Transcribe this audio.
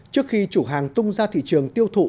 trước khi chủ hàng tung ra thị trường tiêu thụ